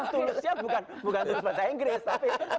tulusnya bukan tulis bahasa inggris tapi